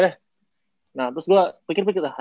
nah terus gue pikir pikir